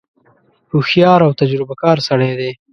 هوښیار او تجربه کار سړی دی.